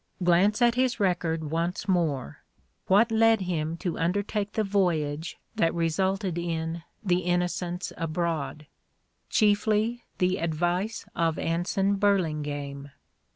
Glance at his record once more. "What led him to undertake the voyage that resulted in "The Innocents Abroad"? Chiefly the advice of Anson Burlingame.